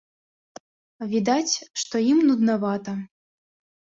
Відаць, што ім нуднавата.